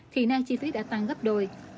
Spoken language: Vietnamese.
thì nay chi phí đã tăng gấp đôi